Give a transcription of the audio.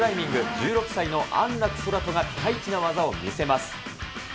１６歳の安楽宙斗がピカイチな技を見せます。